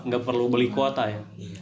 nggak perlu beli kuota ya